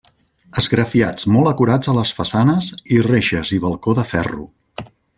Esgrafiats molt acurats a les façanes i reixes i balcó de ferro.